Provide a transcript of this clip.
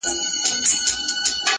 دا درېيم ځل دی چي مات زړه ټولوم’